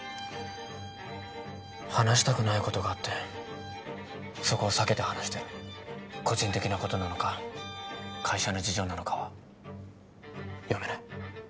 話したくないことがあってそこを避けて話してる個人的なことなのか会社の事情なのかは読めない